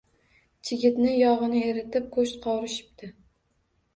Chigitni yog‘ini eritib go‘sht qovurishibdi.